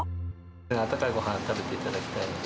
温かいごはんを食べていただきたいので。